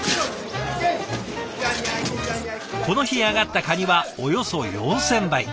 この日揚がったカニはおよそ４，０００杯。